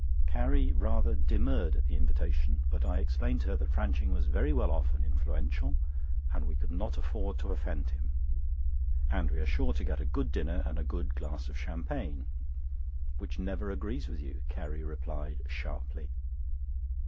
Carrie rather demurred at the invitation; but I explained to her that Franching was very well off and influential, and we could not afford to offend him. "And we are sure to get a good dinner and a good glass of champagne." "Which never agrees with you!" Carrie replied, sharply.